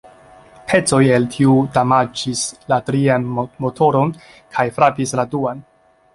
Pecoj el tiu damaĝis la trian motoron kaj frapis la duan.